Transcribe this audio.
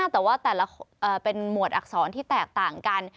แต่ว่าแต่ละเป็นหมวดอักษรที่แตกต่างกัน